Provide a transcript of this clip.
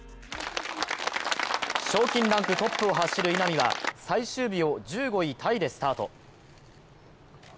賞金ランクトップを走る稲見は最終日を１５位タイでスタート。